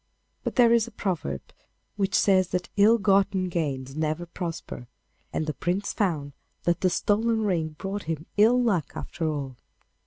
But there is a proverb which says that ill gotten gains never prosper, and the Prince found that the stolen ring brought him ill luck after all.